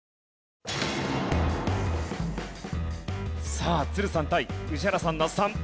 さあ都留さん対宇治原さん那須さん。